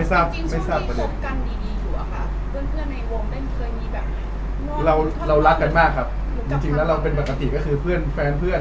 จริงช่วงนี้คบกันดีถูกหรอครับเพื่อนในวงไม่เคยมีแบบนั้น